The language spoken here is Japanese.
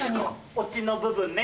オチの部分ね。